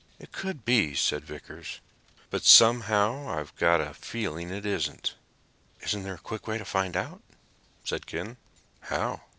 "It could be," said Vickers, "but somehow I've got a feeling it isn't." "Isn't there a quick way to find out?" said Ken. "How?"